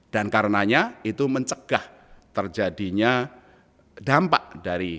dan karenanya itu mencegah terjadinya dampak dari